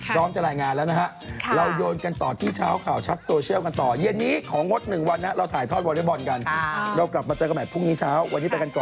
พร้อมจะรายงานแล้ว